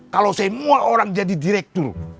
kalau saya mau orang jadi direktur